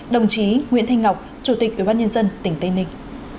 đồng chí nguyễn thanh ngọc chủ tịch ủy ban nhân dân tỉnh tây ninh